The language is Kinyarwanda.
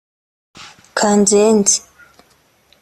kanzenze